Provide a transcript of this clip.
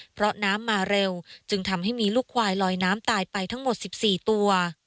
เพราะน้ำมาเร็วจึงทำให้มีลูกควายลอยน้ำตายไปทั้งหมด๑๔ตัว